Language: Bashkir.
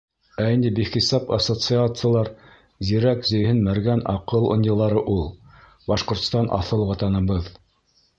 Ә инде бихисап ассоциациялар — зирәк зиһен, мәргән аҡыл ынйылары ул. Башҡортостан — аҫыл ватаныбыҙ.